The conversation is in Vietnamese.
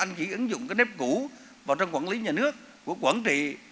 còn nếu như anh chỉ ứng dụng cái nếp cũ vào trong quản lý nhà nước của quản trị